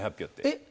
えっ？